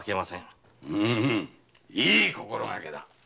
いい心がけだ。